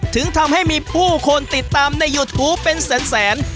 ถึงทำให้มีผู้คนติดตามในยูทูปเป็นแสน